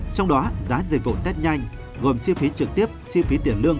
trong đó giá dịch vụ tết nhanh gồm chi phí trực tiếp chi phí tiền lương